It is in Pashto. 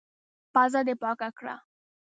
پزه دي پاکه کړه!